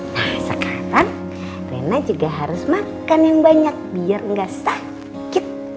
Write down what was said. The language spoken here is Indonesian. nah sekarang rena juga harus makan yang banyak biar nggak sakit